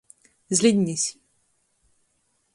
Zlidnis.